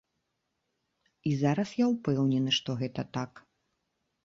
І зараз я ўпэўнены, што гэта так.